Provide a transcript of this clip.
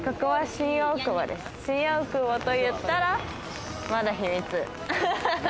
新大久保といったら、まだ秘密。